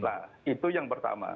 nah itu yang pertama